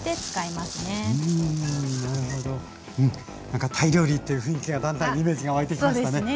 何かタイ料理っていう雰囲気がだんだんイメージが湧いてきましたね。